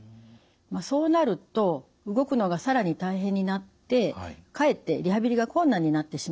そうなると動くのが更に大変になってかえってリハビリが困難になってしまいます。